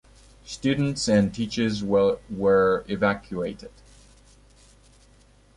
Students and teachers were evacuated.